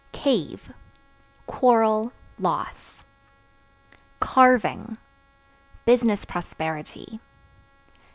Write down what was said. Cave Quarrel, loss. Carving Business prosperity.